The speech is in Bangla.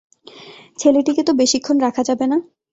ছেলেটিকে তো বেশিক্ষণ রাখা যাবে না।